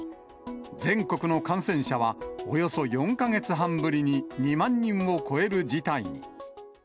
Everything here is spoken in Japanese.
全国の感染者はおよそ４か月半ぶりに２万人を超える事態に。